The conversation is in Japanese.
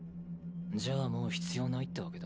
じゃあもう必要ないってワケだ。